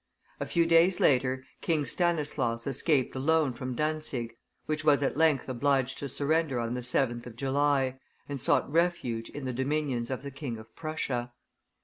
A few days later King Stanislaus escaped alone from Dantzic, which was at length obliged to surrender on the 7th of July, and sought refuge in the dominions of the King of Prussia.